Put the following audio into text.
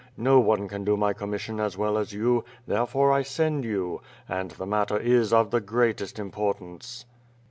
No one can do my commission as well as you, therefore I send you — and the matter is of the greatest importance."